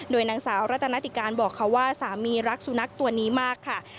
โดยนางสาวรัตนาติการบอกเขาว่าสามีรักสุนัขตัวนี้มากค่ะ